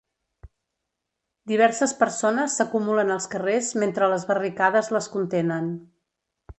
Diverses persones s'acumulen als carrers mentre les barricades les contenen.